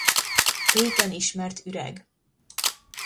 Régen ismert üreg.